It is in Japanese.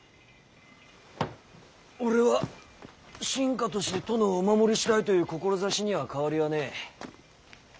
俺は臣下として殿をお守りしたいという志には変わりはねぇ。